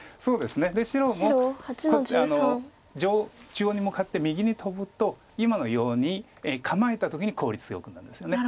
中央に向かって右にトブと今のように構えた時に効率よくなるんですよね。